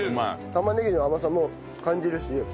玉ねぎの甘さも感じるし。